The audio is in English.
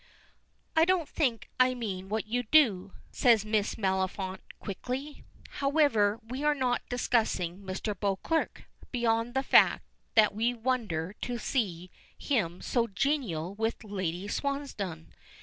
"I don't think I mean what you do," says Miss Maliphant quickly. "However, we are not discussing Mr. Beauclerk, beyond the fact that we wonder to see him so genial with Lady Swansdown.